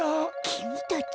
きみたち。